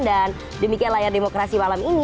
demikian layar demokrasi malam ini